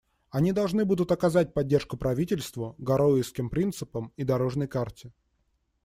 Они должны будут оказать поддержку правительству, «Гароуэсским принципам» и «дорожной карте».